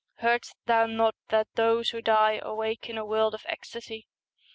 Heardst thou not that those who die Awake in a world of ecstasy?